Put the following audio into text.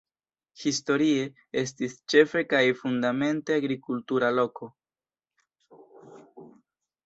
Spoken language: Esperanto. Historie estis ĉefe kaj fundamente agrikultura loko.